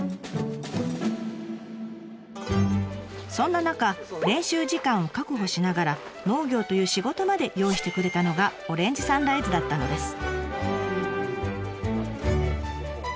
そんな中練習時間を確保しながら農業という仕事まで用意してくれたのがオレンジサンライズだったのです。